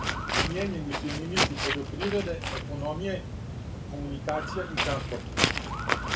Смијењени су и министри пољопривреде, економије, комуникација и транспорта.